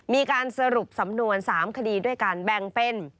มีการสรุปสำนวน๓คดีด้วยการแบ่งเป็น